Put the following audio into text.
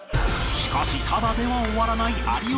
しかしただでは終わらない有吉